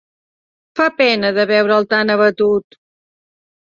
Fa pena de veure'l tan abatut.